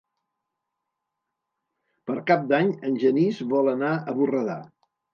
Per Cap d'Any en Genís vol anar a Borredà.